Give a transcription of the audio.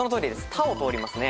「タ」を通りますね。